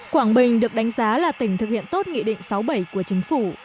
quảng bình được đánh giá là tỉnh thực hiện tốt nghị định sáu bảy của chính phủ